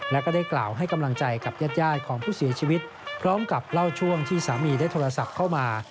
และก็ได้กล่าวให้กำลังใจกับญาติของผู้เสียชีวิตพร้อมกับเล่าช่วงที่สามีได้โทรศัพท์เข้ามา